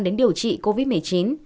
đến điều trị covid một mươi chín